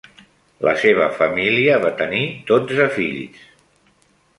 La seva família va tenir dotze fills.